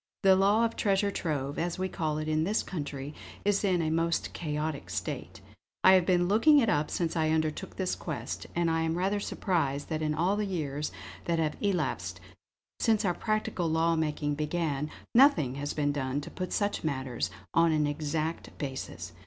The law of Treasure Trove, as we call it in this country, is in a most chaotic state. I have been looking it up since I undertook this quest; and I am rather surprised that in all the years that have elapsed since our practical law making began, nothing has been done to put such matters on an exact basis.